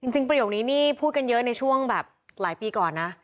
ประโยคนี้นี่พูดกันเยอะในช่วงแบบหลายปีก่อนนะ